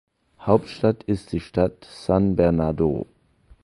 Hauptstadt ist die Stadt San Bernardo.